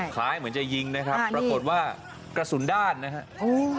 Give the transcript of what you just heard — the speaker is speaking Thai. คล้ายเหมือนจะยิงนะครับปรากฏว่ากระสุนด้านนะครับ